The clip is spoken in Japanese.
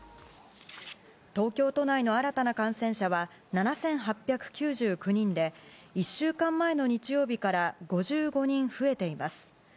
東京都内の新たな感染者は７８９９人で１週間前の日曜日から５５人増えています。